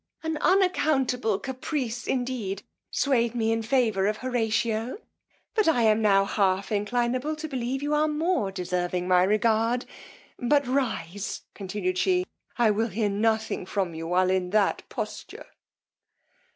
An unaccountable caprice indeed swayed me in favour of Horatio, but I am now half inclinable to believe you are more deserving my regard; but rise, continued she, I will hear nothing from you while in that posture.